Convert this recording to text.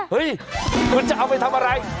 เฮ้ยคุณจะเอาไปทำอะไร